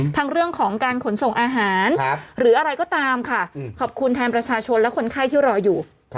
ทั้งเรื่องของการขนส่งอาหารหรืออะไรก็ตามค่ะขอบคุณแทนประชาชนและคนไข้ที่รออยู่